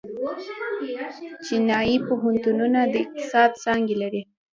چینايي پوهنتونونه د اقتصاد څانګې لري.